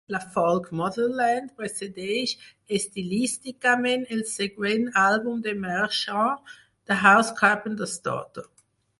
La folk "Motherland" precedeix estilísticament el següent àlbum de Merchant, "The House Carpenter's Daughter".